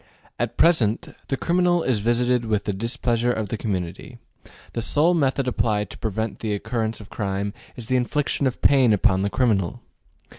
At present, the criminal is visited with the displeasure of the community: the sole method applied to prevent the occurrence of crime is the infliction of pain upon the criminal.